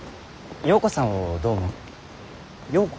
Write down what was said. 曜子さんをどう思う？